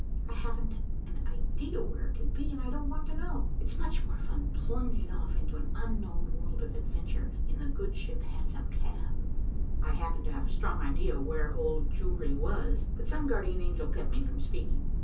I haven't an idea where it can be, and I don't want to know. It's much more fun plunging off into an unknown world of adventure in the good ship Hansom Cab." I happened to have a strong idea where the Old Jewry was, but some guardian angel kept me from speaking.